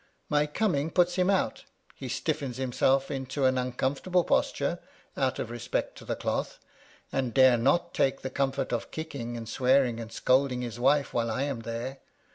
My coming puts him out ; he stiffens himself into an uncomfortable posture, out of respect to the cloth, and dare not take the comfort of kicking, and swearing, and scolding his wife, while I am there.